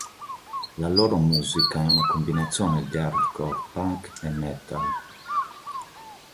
La loro musica è una combinazione di Hardcore Punk e Metal.